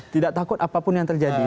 tidak takut apapun yang terjadi